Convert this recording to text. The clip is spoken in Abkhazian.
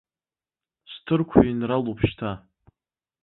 Сҭырқә еинралуп шьҭа.